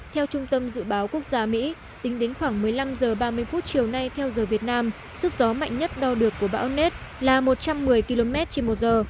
theo trung tâm dự báo quốc gia mỹ tính đến khoảng một mươi năm h ba mươi phút chiều nay theo giờ việt nam sức gió mạnh nhất đo được của bão net là một trăm một mươi km trên một giờ